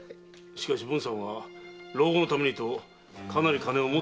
しかし文さんは老後のためにとかなり金を持っていたのでは？